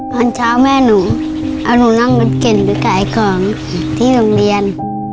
ตอนเช้าแม่หนูเอาหนูนั่งรถเก่งไปขายของที่โรงเรียน